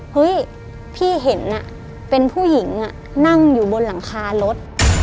เฮ้ยพี่เห็นเป็นผู้หญิงนั่งอยู่บนหลังคารถ